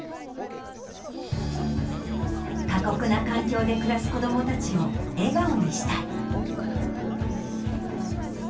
過酷な環境で暮らす子どもたちを笑顔にしたい。